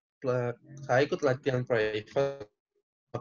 tapi juga saya ikut latihan private sama pati mon